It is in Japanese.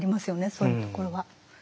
そういうところは。